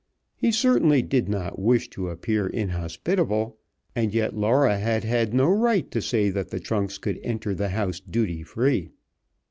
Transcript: He certainly did not wish to appear inhospitable, and yet Laura had had no right to say that the trunks could enter the house duty free.